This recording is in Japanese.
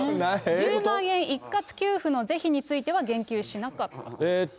１０万円一括給付の是非については言及しなかったと。